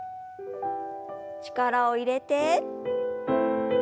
力を入れて。